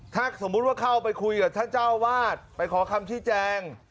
ถ้าสมมุติว่าเข้าไปคุยกับท่านเจ้าวาดไปขอคำชี้แจง